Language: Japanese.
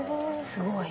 すごい。